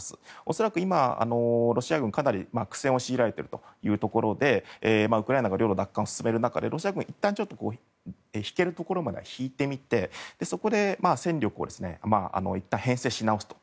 恐らく今ロシア軍、苦戦を強いられているというところでウクライナが領土奪還を進める中でロシア軍がいったん引けるところまでは引いてみて戦力をいったん編成しなおすと。